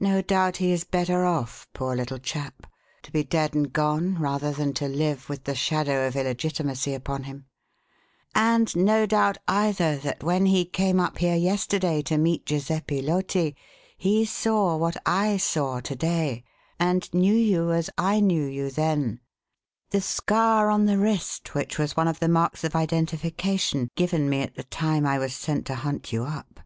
No doubt he is better off, poor little chap, to be dead and gone rather than to live with the shadow of illegitimacy upon him; and no doubt, either, that when he came up here yesterday to meet Giuseppe Loti, he saw what I saw to day, and knew you as I knew you then the scar on the wrist, which was one of the marks of identification given me at the time I was sent to hunt you up!